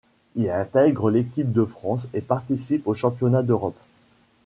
Il intègre l'équipe de France et participe aux championnats d'Europe.